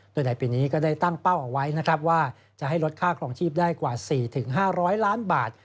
โดยในปีนี้ก็ได้ตั้งเป้าเอาไว้นะครับว่าจะให้ลดค่าครองชีพได้กว่า๔๕๐๐ล้านบาท